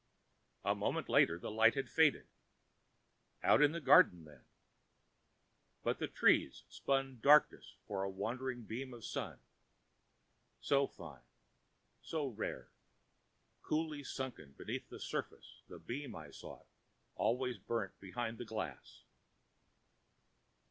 A moment later the light had faded. Out in the garden then? But the [Pg 5]trees spun darkness for a wandering beam of sun. So fine, so rare, coolly sunk beneath the surface the beam I sought always burnt behind the glass.